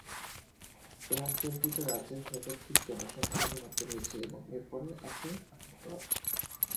এই অঞ্চলটিতে রাজ্যের সর্বাধিক জনসংখ্যার ঘনত্ব রয়েছে এবং এর পরে আছে আহমেদাবাদ।